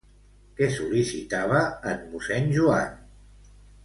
Què sol·licitava en mossèn Joan?